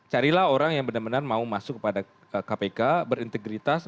carilah orang yang benar benar mau masuk kepada kpk berintegritas